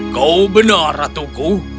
kau benar ratuku